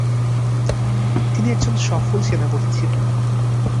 তিনি একজন সফল সেনাপতি ছিলেন।